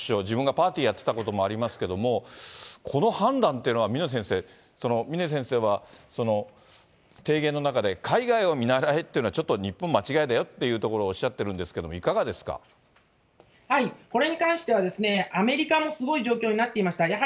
自分がパーティーやってたこともありますけれども、この判断っていうのは、峰先生、峰先生は提言の中で、海外を見習えっていうのは、ちょっと日本、間違いだよっていうところをおっしゃってるんですけれども、これに関してはですね、アメリカもすごい状況になっていました。